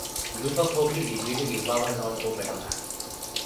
lupa poki li wile e wawa lon open ona.